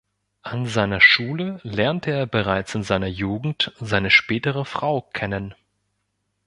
An seiner Schule lernte er bereits in seiner Jugend seine spätere Frau kennen.